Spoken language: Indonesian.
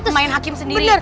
main hakim sendiri